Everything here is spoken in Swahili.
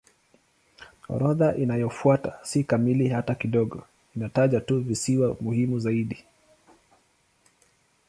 Orodha inayofuata si kamili hata kidogo; inataja tu visiwa muhimu zaidi.